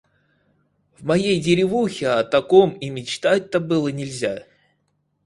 В моей деревухе о таком и мечтать-то было нельзя!